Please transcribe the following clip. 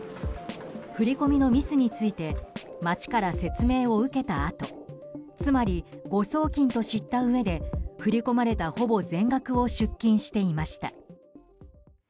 振り込みのミスについて町から説明を受けたあとつまり、誤送金と知ったうえで振り込まれたほぼ全額を出金していました。